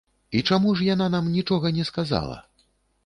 І чаму ж яна нам нічога не сказала?